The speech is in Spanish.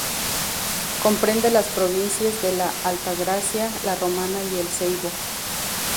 Comprende las provincias de La Altagracia, La Romana y El Seibo.